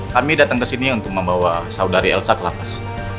kami datang kesini untuk membawa saudari elsa ke lapas